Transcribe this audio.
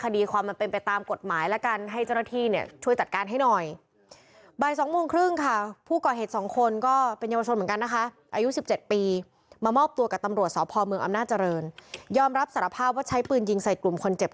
นี่มากันสองคนขี่มอเตอร์ไซค์มาปุ๊บ